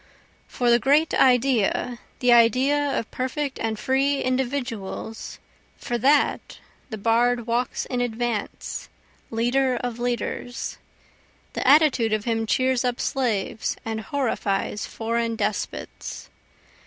For the great Idea, the idea of perfect and free individuals, For that, the bard walks in advance, leader of leaders, The attitude of him cheers up slaves and horrifies foreign despots.